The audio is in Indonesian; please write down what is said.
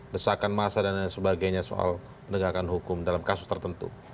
desakan massa dan lain sebagainya soal penegakan hukum dalam kasus tertentu